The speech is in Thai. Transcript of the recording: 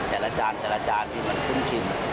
อาจารย์ที่มันขึ้นชิน